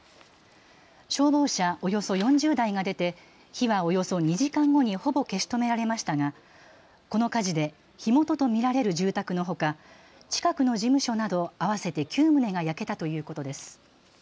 消防車およそ４０台が出て火はおよそ２時間後にほぼ消し止められましたがこの火事で火元と見られる住宅のほか近くの事務所など合わせて９棟が焼けたということです。